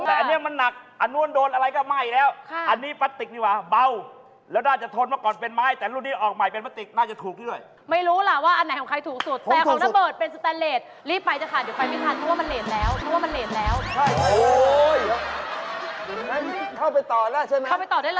แต่อันนี้มันหนักอันนู้นโดนอะไรก็อ้าวอีกแล้วอันนี้ประติกดีหว่า